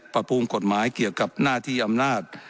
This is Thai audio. ปรับปรุงกฎหมายเกี่ยวกับหน้าที่อำนาจ